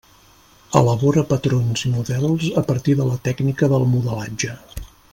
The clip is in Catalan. Elabora patrons i models a partir de la tècnica del modelatge.